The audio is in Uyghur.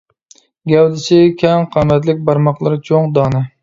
گەۋدىسى كەڭ قامەتلىك، بارماقلىرى چوڭ، دانە.